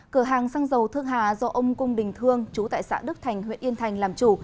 cửa hàng xăng dầu thước hà do ông cung đình thương chú tại xã đức thành huyện yên thành làm chủ